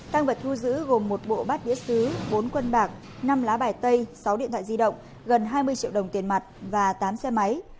tăng vật thu giữ gồm một bộ bát đĩa xứ bốn quân bạc năm lá bài tay sáu điện thoại di động gần hai mươi triệu đồng tiền mặt và tám xe máy